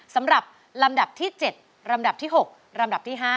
สำหรับลำดับที่๗ลำดับที่๖ลำดับที่๕